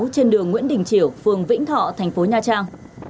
trên đường nguyễn đình triều phường vĩnh thọ thành phố nha trang